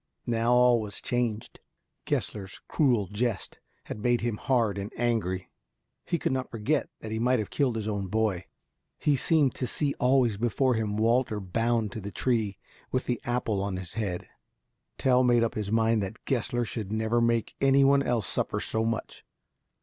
Now all was changed. Gessler's cruel jest had made him hard and angry. He could not forget that he might have killed his own boy. He seemed to see always before him Walter bound to the tree with the apple on his head. Tell made up his mind that Gessler should never make any one else suffer so much.